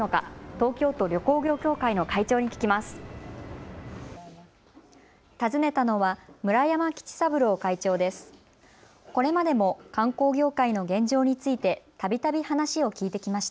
東京都旅行業協会の会長に聞きます。